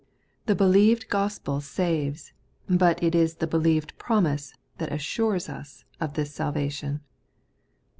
The believed gospel saves; but it is the believed promise that assures us of this salvation.